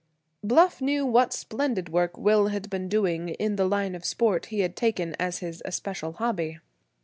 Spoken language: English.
Bluff knew what splendid work Will had been doing in the line of sport he had taken as his especial hobby.